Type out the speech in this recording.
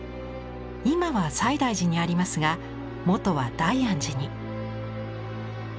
今は西大寺にありますが元は大安寺に。